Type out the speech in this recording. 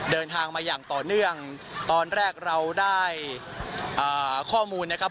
เดินทางมาอย่างต่อเนื่องตอนแรกเราได้ข้อมูลนะครับ